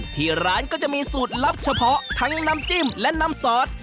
ที่ร้านก็จะมีสูตรลับเฉพาะทั้งน้ำจิ้มและน้ำซอส